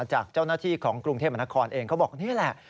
จากเจ้าหน้าที่ของกรุงเทพมนครเองเขาบอกนี่แหละ